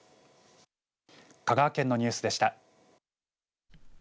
香川県のニュースでした。